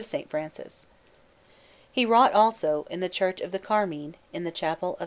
Francis. He wrought, also, in the Church of the Carmine, in the Chapel of S.